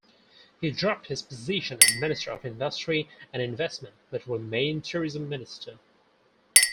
He dropped his position as minister of industry and investment, but remained tourism minister.